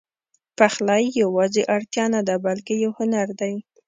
پخلی یواځې اړتیا نه ده، بلکې یو هنر دی.